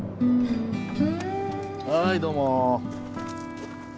はいどうも。